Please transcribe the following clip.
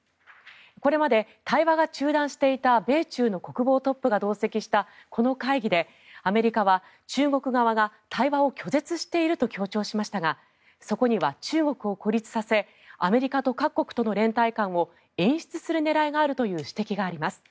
これまで対話が中断していた米中の国防トップが同席したこの会議でアメリカは中国側が対話を拒絶していると強調しましたがそこには中国を孤立させアメリカと各国との連帯感を演出する狙いがあるという指摘があります。